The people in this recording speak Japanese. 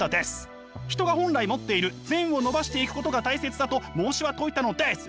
人が本来持っている善を伸ばしていくことが大切だと孟子は説いたのです！